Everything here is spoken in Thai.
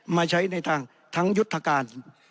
มาใช้ในทางทั้งยุทธการ